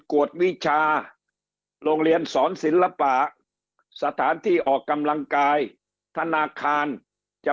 วดวิชาโรงเรียนสอนศิลปะสถานที่ออกกำลังกายธนาคารจะ